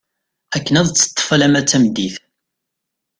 Akken ad teṭṭef alamma d tameddit.